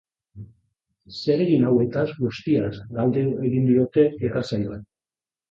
Zeregin hauetaz guztiaz galde egingo diote irratsaioan.